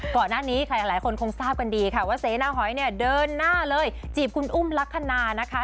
ก่อนหน้านี้ใครหลายคนคงทราบกันดีค่ะว่าเสนาหอยเนี่ยเดินหน้าเลยจีบคุณอุ้มลักษณะนะคะ